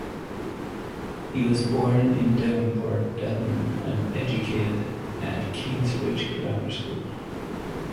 He was born in Devonport, Devon and educated at Kingsbridge Grammar School.